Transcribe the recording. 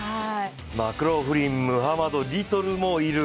マクローフリン、ムハマド、リトルもいる。